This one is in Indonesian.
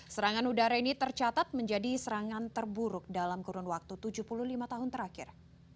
serangan udara ini tercatat menjadi serangan terburuk dalam kurun waktu tujuh puluh lima tahun terakhir